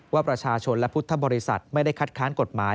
ว่าประชาชนและพุทธบริษัทไม่ได้คัดค้านกฎหมาย